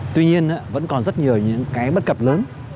tuy nhiên vẫn còn rất nhiều những cái bất cập lớn